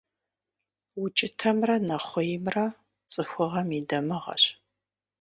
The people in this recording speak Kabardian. УкIытэмрэ нэхъуеймрэ цIыхугъэм и дамыгъэщ.